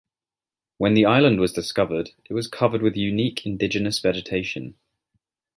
When the island was discovered, it was covered with unique indigenous vegetation.